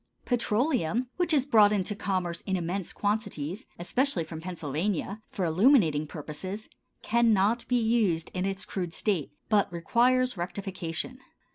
Petroleum, which is brought into commerce in immense quantities, especially from Pennsylvania, for illuminating purposes, cannot be used in its crude state, but requires rectification.